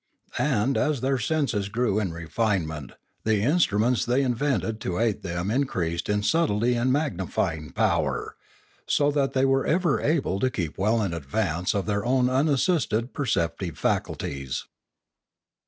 And, as their senses grew in refinement, the instruments they invented to aid them increased in subtlety and magnifying power, so that they were ever able to keep well in advance of their own unassisted perceptive faculties.